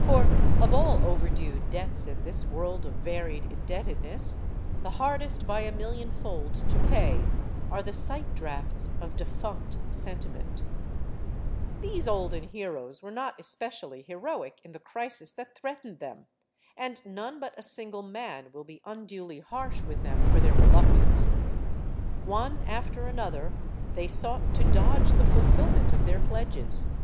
For, of all overdue debts in this world of varied indebted ness, the hardest by a million fold to pay are the sight drafts of defunct sentiment. HELEN OF TROY 75 These olden heroes were not especially heroic in the crisis that threatened them, and none but a single man will be unduly harsh with them for their reluctance. One after another, they sought to dodge the fulfillment of their pledges.